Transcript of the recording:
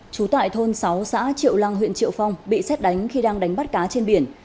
trú tại thôn sáu xã triệu lang huyện triệu phong bị xét đánh khi đang đánh bắt cá trên biển